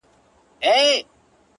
مينه مني ميني څه انكار نه كوي’